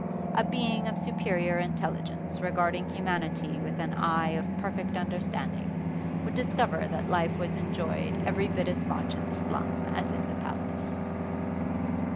A being of superior intelligence regarding humanity with an eye of perfect understanding would discover that life was enjoyed every bit as much in the slum as in the palace.